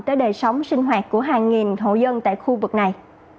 tới đời sống sinh hoạt của hàng nghìn hộ dân tại khu vực này